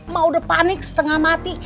mau udah panik setengah mati